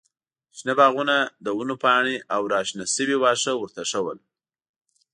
شنه باغونه، د ونو پاڼې او راشنه شوي واښه ورته ښه ول.